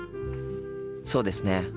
そうですね。